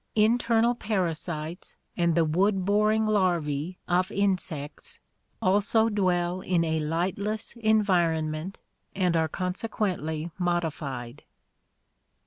Internal para sites and the wood boring larvae of insects also dwell in a lightless environment and are consequently modified.